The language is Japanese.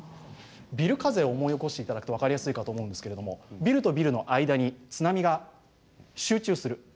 ビル風を思い起こして頂くと分かりやすいかと思うんですけれどもビルとビルの間に津波が集中する。